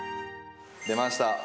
出ました。